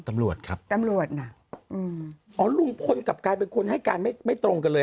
ตำรวจครับตำรวจน่ะอืมอ๋อลุงพลกลับกลายเป็นคนให้การไม่ไม่ตรงกันเลย